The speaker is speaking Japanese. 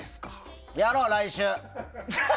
やろう、来週！